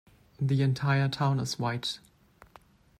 The entire town is White.